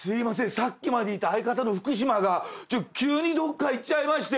さっきまでいた相方の福島が急にどっか行っちゃいまして。